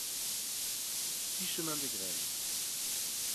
six chemin des Greles